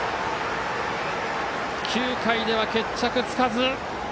９回では決着つかず。